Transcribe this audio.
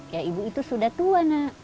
ya ibu itu sudah tua nak